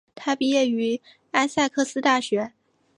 他毕业于艾塞克斯大学。